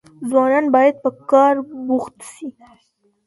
ځوانان بايد په کار بوخت سي.